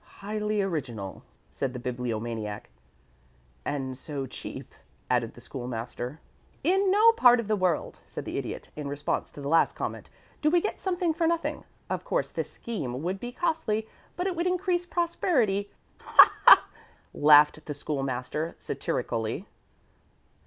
"Highly original," said the Bibliomaniac. "And so cheap," added the School master. "In no part of the world," said the Idiot, in response to the last comment, "do we get something for nothing. Of course this scheme would be costly, but it would increase prosperity " "Ha! ha!" laughed the School master, satirically.